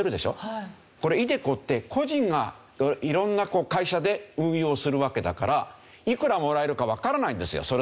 これｉＤｅＣｏって個人が色んな会社で運用するわけだからいくらもらえるかわからないんですよ